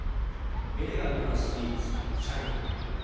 エレガントなスイーツシャルロット。